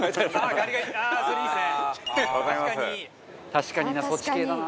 確かにな、そっち系だな。